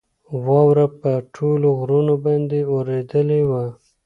واوره په ټولو غرو باندې ورېدلې وه.